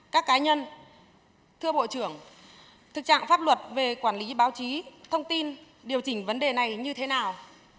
các cá nhân thưa bộ trưởng thực trạng pháp luật về quản lý báo chí thông tin điều chỉnh vấn đề này như thế nào